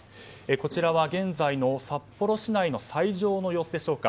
こちらは現在の札幌市内の斎場の様子でしょうか。